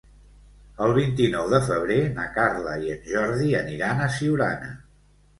El vint-i-nou de febrer na Carla i en Jordi aniran a Siurana.